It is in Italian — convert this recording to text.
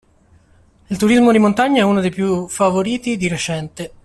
Il turismo di montagna è uno dei più favoriti di recente.